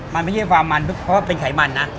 มันไม่ใช่ความมันเพราะว่าเป็นไขมันนะ